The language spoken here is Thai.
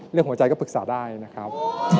เรื่องหัวใจก็ปรึกษาได้นะครับ